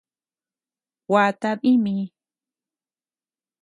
Gua tadi mi.